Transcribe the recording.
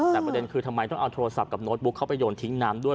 แต่ประเด็นคือทำไมต้องเอาโทรศัพท์กับโน้ตบุ๊กเข้าไปโยนทิ้งน้ำด้วย